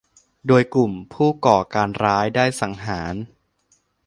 โดยกลุ่มผู้ก่อการร้ายได้สังหาร